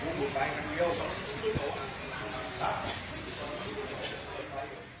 คุณผู้ใบที่มีเอาส่วนสุดท้องคุณผู้หลักสุดท้อง